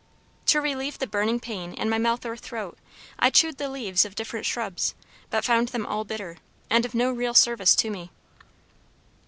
To relieve the burning pain in my mouth or throat, I chewed the leaves of different shrubs, but found them all bitter, and of no real service to me.